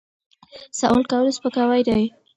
سوال کول سپکاوی دی.